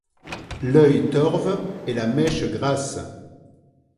l'œil torve et la mèche grasse.